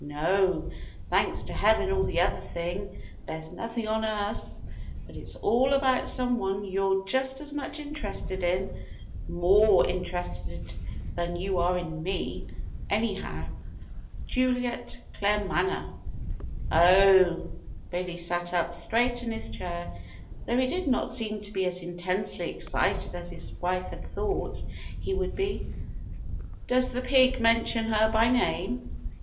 No, thanks to Heaven or the other thing, there's nothing on us. But it's all about someone you're just as much interested in more interested than you are in me, anyhow. Juliet Claremanagh." "Oh!" Billy sat up straight in his chair, though he did not seem to be as intensely excited as his wife had thought he would be. "Does the pig mention her by name?"